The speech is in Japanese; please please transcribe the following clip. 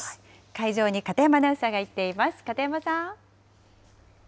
会場に片山アナウンサーが行っています、片山さん。